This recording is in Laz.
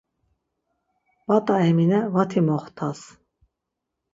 Bat̆a Emine vati moxt̆as!